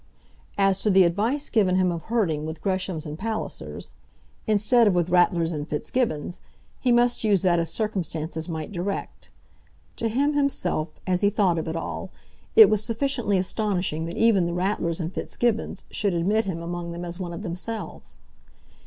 As to the advice given him of herding with Greshams and Pallisers, instead of with Ratlers and Fitzgibbons, he must use that as circumstances might direct. To him, himself, as he thought of it all, it was sufficiently astonishing that even the Ratlers and Fitzgibbons should admit him among them as one of themselves.